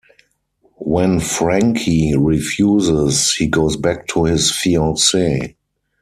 When Francie refuses, he goes back to his fiancee.